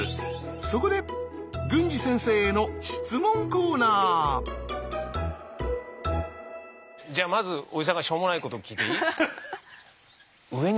そこでじゃあまずおじさんがしょうもないことを聞いていい？